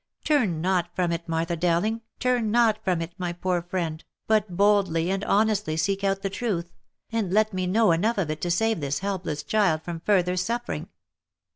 Turn not from it, Martha Dowling, turn not from it, my poor friend, but boldly and honestly seek out the truth, and let me know enough of it to save this helpless child from further suffering."